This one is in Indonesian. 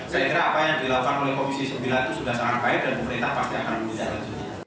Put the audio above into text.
saya kira apa yang dilakukan oleh komisi sembilan itu sudah sangat baik dan pemerintah pasti akan berbicara